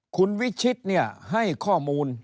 คุณวิชิตเนี่ยให้ข้อมูล